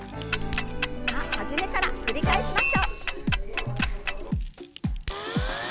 さあ初めから繰り返しましょう。